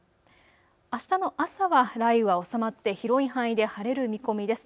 あしたの朝は雷雨は収まって広い範囲で晴れる見込みです。